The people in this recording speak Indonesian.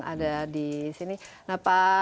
ada di sini nah pak